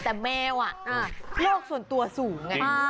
แต่แมวเนี่ยโลกส่วนตัวสูงยังไง